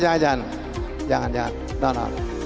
jangan jangan jangan